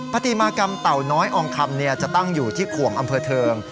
ปฏิมากรรมเต่าน้อยอองคำจะตั้งอยู่ที่ขวงอำเภอเทิง